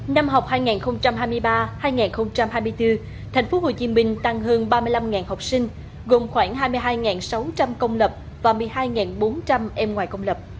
năm học hai nghìn hai mươi ba hai nghìn hai mươi bốn tp hcm tăng hơn ba mươi năm học sinh gồm khoảng hai mươi hai sáu trăm linh công lập và một mươi hai bốn trăm linh em ngoài công lập